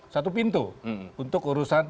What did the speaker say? satu pintu untuk urusan